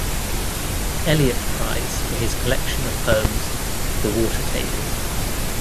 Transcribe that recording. Eliot Prize for his collection of poems, "The Water Table".